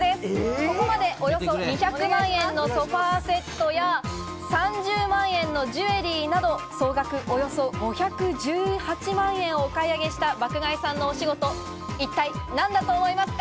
ここまでおよそ２００万円のソファセットや、３０万円のジュエリーなど、総額およそ５１８万円をお買い上げした爆買いさんのお仕事、一体何だと思いますか？